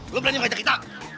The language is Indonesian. lo berani ngajak kita